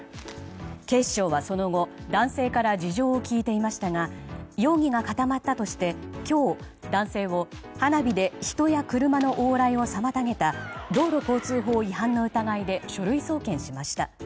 警視庁はその後男性から事情を聴いていましたが容疑が固まったとして今日、男性を花火で人や車の往来を妨げた道路交通法違反の疑いで書類送検しました。